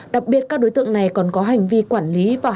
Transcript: đặc biệt các đối tượng này còn có hành vi quản lý và hành vi đối tượng